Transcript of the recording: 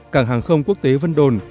cảng hàng không quốc tế vân đồn